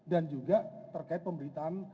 dan juga terkait pemberitaan